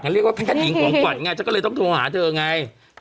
เรียกว่าแพทย์หญิงของขวัญไงฉันก็เลยต้องโทรหาเธอไง